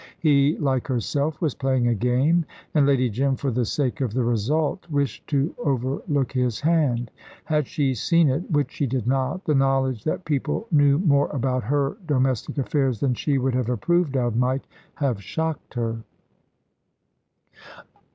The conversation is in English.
He, like herself, was playing a game, and Lady Jim, for the sake of the result, wished to overlook his hand. Had she seen it, which she did not, the knowledge that people knew more about her domestic affairs than she would have approved of might have shocked her.